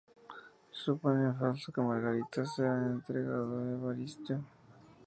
Se supone en falso que Margarita se ha entregado a Evaristo.